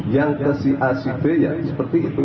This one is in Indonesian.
yang ke si acp ya seperti itu